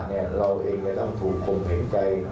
บันดาลโทษะเราเองจะต้องถูกคงเห็นใจ